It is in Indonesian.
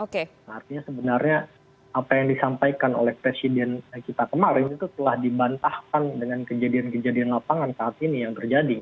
karena artinya sebenarnya apa yang disampaikan oleh presiden kita kemarin itu telah dibantahkan dengan kejadian kejadian lapangan saat ini yang terjadi